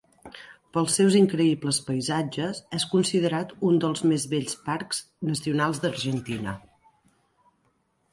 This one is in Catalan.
Pels seus increïbles paisatges, és considerat un dels més bells parcs nacionals d'Argentina.